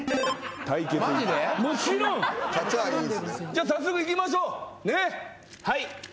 じゃあ早速いきましょうねえはい。